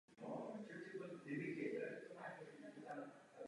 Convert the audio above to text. V některých regionech se šíření pouště zastavilo a dokonce částečně ustoupilo.